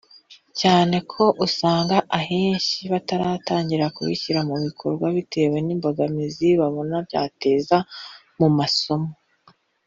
cyane ko usanga ahenshi bataratangira kubishyira mu bikorwa bitewe n’imbogamizi babona byateza mu mumasomo”